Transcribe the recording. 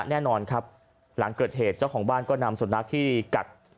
แน่นอนครับหลังเกิดเหตุเจ้าของบ้านก็นำสุนัขที่กัด